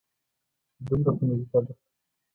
دومره خو مې زده ده.